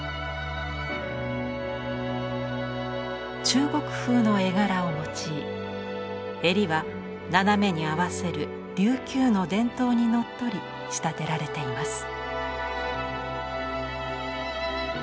中国風の絵柄を用い襟は斜めに合わせる琉球の伝統にのっとり仕立てられています。